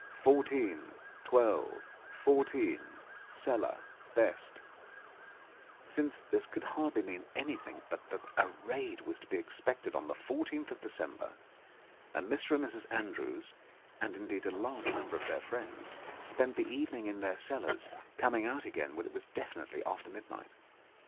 Fourteen, twelve, fourteen, cellar best," since this could hardly mean anything but that a raid was to be expected on the fourteenth of Decem ber; and Mr. and Mrs. Andrews — and, indeed, a large number of their friends — spent the evening in their cellars, coming out again when it was definitely after midnight.